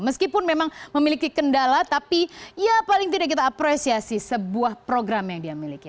meskipun memang memiliki kendala tapi ya paling tidak kita apresiasi sebuah program yang dia miliki